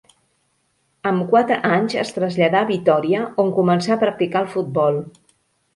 Amb quatre anys es traslladà a Vitòria, on començà a practicar el futbol.